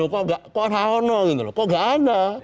kok gak ada